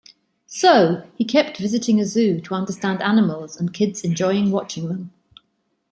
So, he kept visiting a zoo to understand animals and kids enjoying watching them.